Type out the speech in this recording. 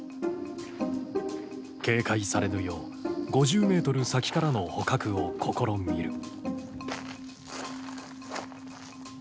警戒されぬよう５０メートル先からの捕獲を試みる。